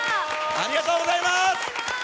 ありがとうございますー。